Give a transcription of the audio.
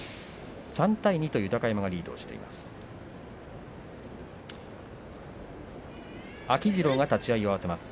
３対２と豊山がリードしています。